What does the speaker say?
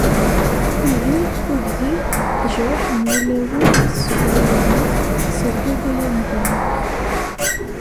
Ihi, tuggdi, tejreḥ n wulawen i d-tesseggray lmut, tessergagay amdan.